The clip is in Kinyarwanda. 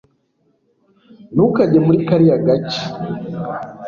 ntukajye muri kariya gace